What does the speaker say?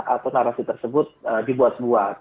atau narasi tersebut dibuat buat